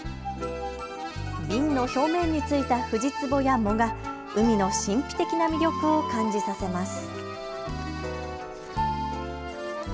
瓶の表面についたフジツボや藻が海の神秘的な魅力を感じさせます。